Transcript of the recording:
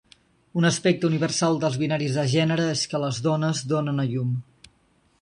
Un aspecte universal dels binaris de gènere és que les dones donen a llum.